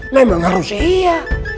memang harusnya iya